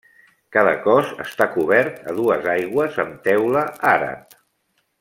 Cada cos està cobert a dues aigües amb teula àrab.